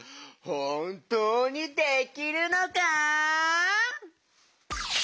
ほんとうにできるのか？